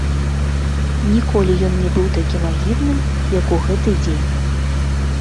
Ніколі ён не быў такім агідным, як у гэты дзень.